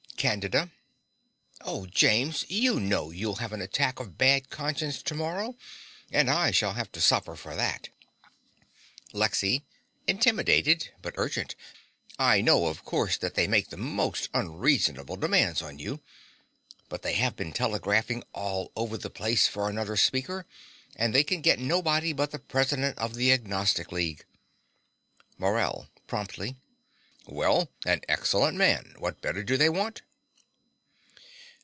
CANDIDA. Oh, James, you know you'll have an attack of bad conscience to morrow; and I shall have to suffer for that. LEXY (intimidated, but urgent). I know, of course, that they make the most unreasonable demands on you. But they have been telegraphing all over the place for another speaker: and they can get nobody but the President of the Agnostic League. MORELL (promptly). Well, an excellent man. What better do they want?